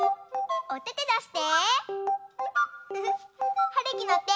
おててだして！